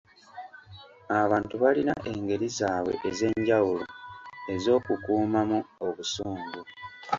Abantu balina engeri zaabwe ez'enjawulo ez'okukuuma mu obusungu.